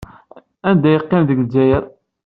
Anda ay qqimen deg Lezzayer?